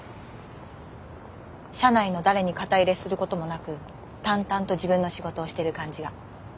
社内の誰に肩入れすることもなく淡々と自分の仕事をしてる感じが。